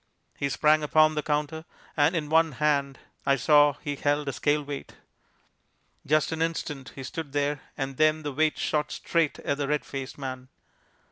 He sprang upon the counter, and in one hand I saw he held a scale weight. Just an instant he stood there, and then the weight shot straight at the red faced man.